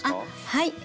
はい。